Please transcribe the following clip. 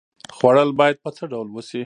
خوړل باید په څه ډول وشي؟